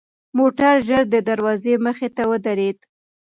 موټر ژر د دروازې مخې ته ودرېد.